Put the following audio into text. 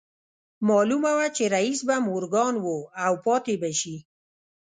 معلومه وه چې رييس به مورګان و او پاتې به شي